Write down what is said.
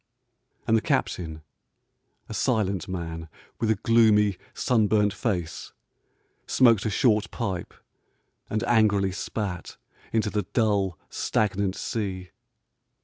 And the captain, a silent man with a gloomy, sunburnt face, smoked a short pipe and angrily spat into the dull, stagnant sea.